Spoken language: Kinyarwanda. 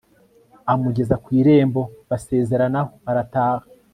amugeza kwirembo basezeranaho arataha